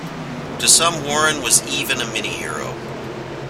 To some Warren was even a mini-hero.